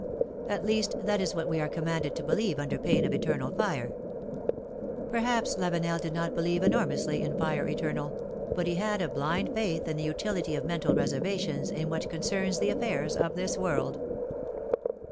At least, that is what we are commanded to believe under pain of eternal fire. Perhaps Lavenel did not believe enormously in fire eternal ; but he had a blind faith in the utility of mental reservations in what concerns the affairs of this world.